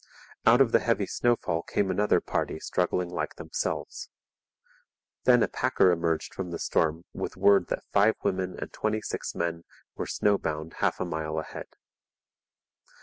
Out of the heavy snowfall came another party struggling like themselves. Then a packer emerged from the storm with word that five women and twenty six men were snowbound half a mile ahead.